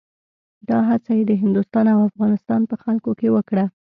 دا هڅه یې د هندوستان او افغانستان په خلکو کې وکړه.